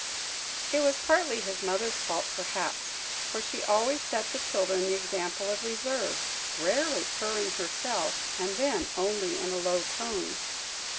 It was partly his mother's fault, perhaps, for she always set the children the example of reserve; rarely purring herself, and then only in a low tone.